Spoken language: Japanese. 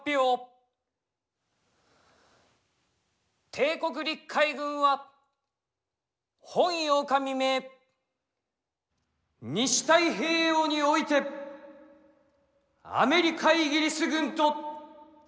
帝国陸海軍は本８日未明西太平洋においてアメリカイギリス軍と戦闘状態に入れり。